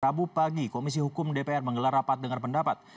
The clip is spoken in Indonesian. rabu pagi komisi hukum dpr menggelar rapat dengar pendapat